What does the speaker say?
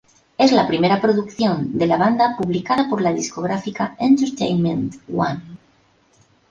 Es la primera producción de la banda publicada por la discográfica Entertainment One.